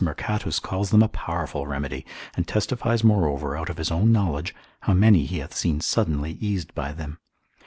Mercatus calls them a powerful remedy, and testifies moreover out of his own knowledge, how many he hath seen suddenly eased by them.